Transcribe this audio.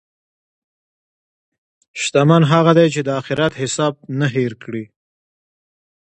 شتمن هغه دی چې د اخرت حساب نه هېر کړي.